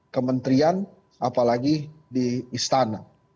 kementrian apalagi di istana